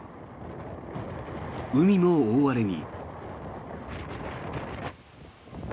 海も大荒れに。